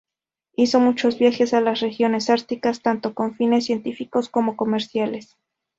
Hizo muchos viajes a las regiones árticas, tanto con fines científicos como comerciales.